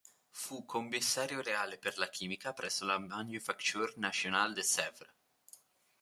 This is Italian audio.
Fu Commissario reale per la chimica presso la Manufacture nationale de Sèvres.